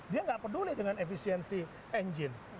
dia nggak peduli dengan efisiensi engine